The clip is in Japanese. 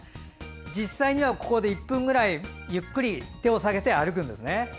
実際にはここで１分くらいゆっくり手を下げて歩くんですね。